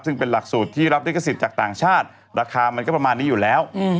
ซึ่งเป็นหลักสูตรที่รับลิขสิทธิ์จากต่างชาติราคามันก็ประมาณนี้อยู่แล้ว